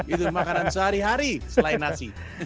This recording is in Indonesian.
itu makanan sehari hari selain nasi